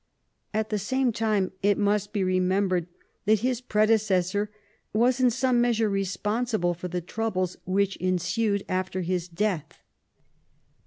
At the same time it must be remembered that his pre decessor was in some measure responsible for the troubles which ensued after his death.